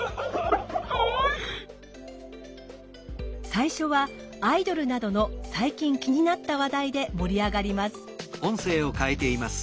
最初はアイドルなどの最近気になった話題で盛り上がります。